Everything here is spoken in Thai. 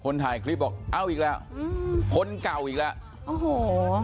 ถ่ายคลิปบอกเอาอีกแล้วอืมคนเก่าอีกแล้วโอ้โห